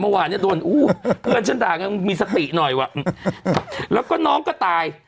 เมื่อวานเนี่ยโดนอู้เพื่อนฉันด่ากันมีสติหน่อยว่ะแล้วก็น้องก็ตาย